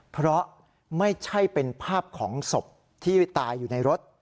เพราะไม่ใช่เป็นภาพของศพที่ตายอยู่ในรถ